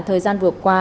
thời gian vừa qua